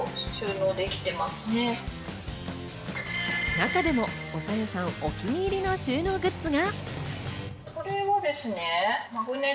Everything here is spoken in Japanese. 中でも、おさよさんお気に入りの収納グッズが。